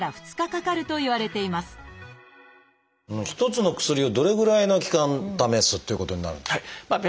１つの薬をどれぐらいの期間試すということになるんでしょう？